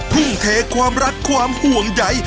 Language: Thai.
ทุ่มเทความรักความห่วงใหญ่